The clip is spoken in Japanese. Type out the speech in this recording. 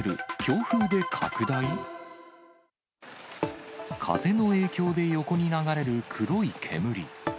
風の影響で横に流れる黒い煙。